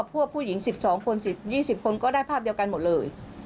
พวกผู้หญิง๑๒คน๒๐คนก็ได้ภาพเดียวกันหมดเลย